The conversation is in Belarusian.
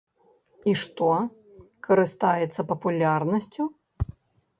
І што, карыстаецца папулярнасцю?